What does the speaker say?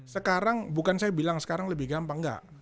sekarang bukan saya bilang sekarang lebih gampang nggak